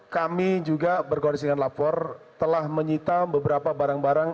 kami juga berkoordinasi dengan lapor telah menyita beberapa barang barang